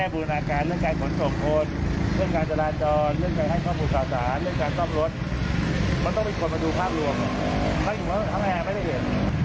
บ้างอยู่บ้างทำงานไม่ได้เห็น